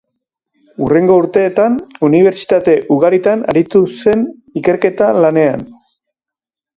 Hurrengo urteetan, unibertsitate ugaritan aritu zen ikerketa-lanean.